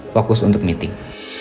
fokus untuk meeting